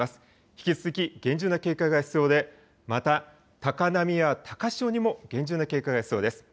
引き続き厳重な警戒が必要でまた高波や高潮にも厳重な警戒が必要です。